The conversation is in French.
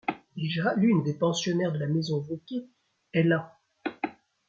Déjà l’une des pensionnaires de la Maison-Vauquer est là. ..